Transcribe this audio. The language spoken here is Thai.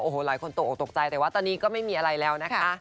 โอ้โหหลายคนตกออกตกใจแต่ว่าตอนนี้ก็ไม่มีอะไรแล้วนะคะ